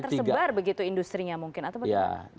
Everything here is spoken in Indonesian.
sebenarnya tidak tersebar begitu industri nya mungkin atau bagaimana